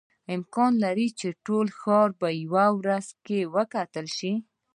امکان نه لري چې ټول ښار په یوه ورځ کې وکتل شي.